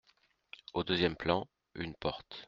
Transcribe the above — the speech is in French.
Au deuxième plan, une porte.